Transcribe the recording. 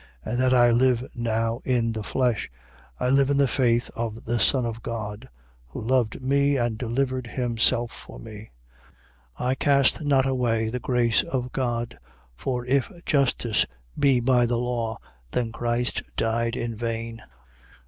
And that I live now in the flesh: I live in the faith of the Son of God, who loved me and delivered himself for me. 2:21. I cast not away the grace of God. For if justice be by the law, then Christ died in vain.